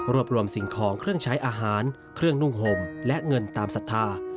รวมรวมสิ่งของเครื่องใช้อาหารเครื่องนุ่งห่มและเงินตามศรัทธา